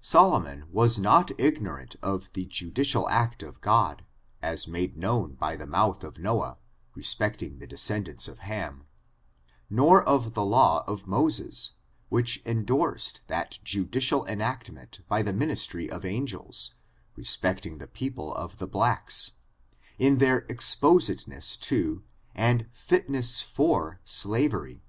Solomon was not ignorant of the judicial act of God, as made known by the mouth of iVboA, respect* ing the descendants of Ham, nor of the law of Mo ses, which indorsed that judicial enactment by the ministry of angels, respecting the people of the blacks, in their exposedness to, and fitness for, slavery.